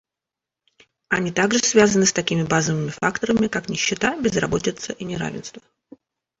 Они также связаны с такими базовыми факторами, как нищета, безработица и неравенство.